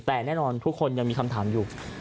แต่แน่นอนทุกคนยังมีคำถามอยู่